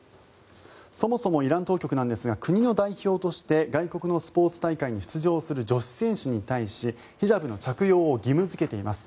そもそもイラン当局なんですが国の代表として外国のスポーツ大会に出場する女子選手に対しヒジャブの着用を義務付けています。